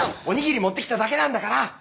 おにぎり持ってきただけなんだから！